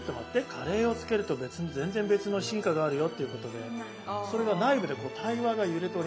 カレーをつけると全然別の進化があるよ」っていうことでそれが内部でこう対話が揺れております。